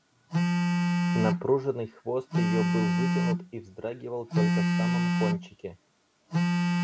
Напруженный хвост ее был вытянут и вздрагивал только в самом кончике.